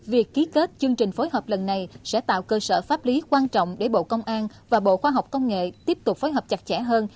việc ký kết chương trình phối hợp lần này sẽ tạo cơ sở pháp lý quan trọng để bộ công an và bộ khoa học công nghệ tiếp tục phối hợp chặt chẽ hơn